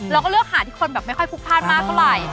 เราก็เลือกหาที่คนแบบไม่ค่อยพลุกพลาดมากเท่าไหร่